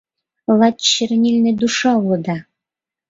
Лач чернильный душа улыда...